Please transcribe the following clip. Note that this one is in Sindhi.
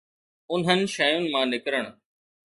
انهن شين مان نڪرڻ.